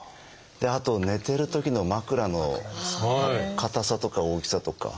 あと寝てるときの枕の硬さとか大きさとか。